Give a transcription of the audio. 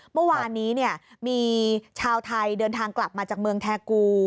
เมื่อวานนี้มีชาวไทยเดินทางกลับมาจากเมืองแทกู